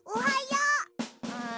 うん。